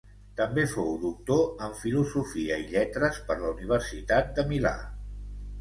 També fou doctor en Filosofia i Lletres per la Universitat de Milà.